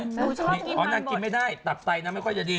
ช็อกโกแลตช็อกโกแลตคือหิวไหมอ๋อนั่งกินไม่ได้ตับใต่น้ำไม่ค่อยจะดี